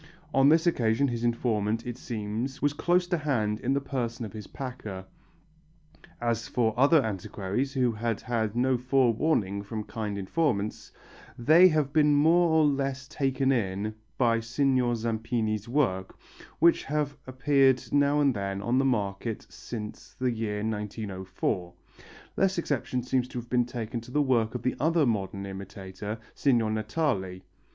On this occasion his informant, it seems, was close to hand in the person of his packer. As for other antiquaries who had had no forewarning from kind informants, they have been more or less taken in by Signor Zampini's works which have appeared now and then on the market since the year 1904. Less exception seems to have been taken to the work of the other modern imitator, Signor Natali.